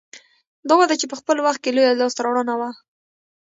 دا وده چې په خپل وخت کې لویه لاسته راوړنه وه